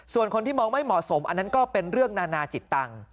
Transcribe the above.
ส่วนคนที่มองไม่เหมาะสมอันนั้นก็เป็นเรื่องนานาจิตตังค์